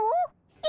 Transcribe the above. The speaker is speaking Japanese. え？